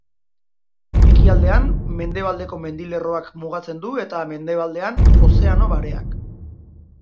Ekialdean Mendebaldeko mendilerroak mugatzen du eta mendebaldean Ozeano Bareak.